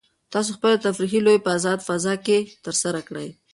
تاسو خپلې تفریحي لوبې په ازاده فضا کې ترسره کړئ.